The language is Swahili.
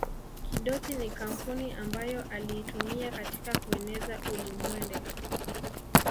Kidoti ni kampuni ambayo aliitumia katika kueneza ulimbwende